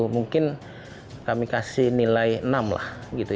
mungkin kami kasih nilai enam lah